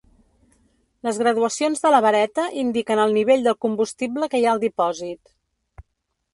Les graduacions de la vareta indiquen el nivell del combustible que hi ha al dipòsit.